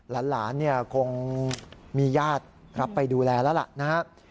หลันกงมีญาติรับไปดูแลแล้วล่ะ